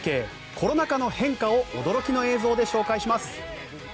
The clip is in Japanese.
コロナ禍の変化を驚きの映像で紹介します。